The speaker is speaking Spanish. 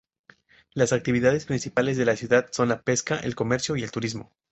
Las actividades principales de la ciudad son la pesca, el comercio y el turismo.